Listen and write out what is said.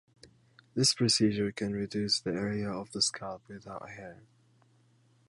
This procedure can reduce the area of the scalp without hair.